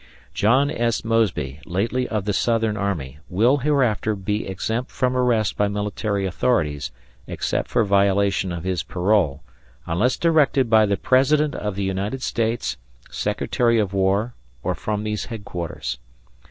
John S. Mosby, lately of the Southern Army, will, hereafter, be exempt from arrest by military authorities, except for violation of his parole, unless directed by the President of the United States, Secretary of War, or from these headquarters.